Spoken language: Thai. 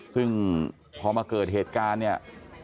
ซึ่งพอมาเกิดเหตุการณ์เนี่ย